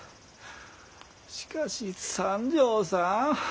しかし三条さん。